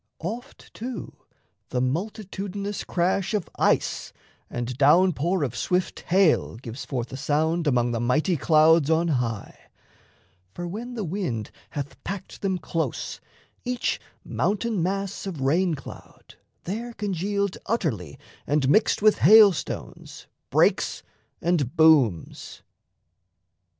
Oft, too, the multitudinous crash of ice And down pour of swift hail gives forth a sound Among the mighty clouds on high; for when The wind hath packed them close, each mountain mass Of rain cloud, there congealed utterly And mixed with hail stones, breaks and booms...